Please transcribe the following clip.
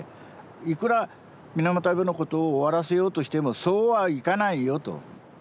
いくら水俣病のことを終わらせようとしてもそうはいかないよと。